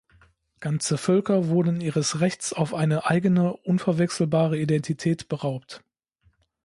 Ganze Völker wurden ihres Rechts auf eine eigene unverwechselbare Identität beraubt.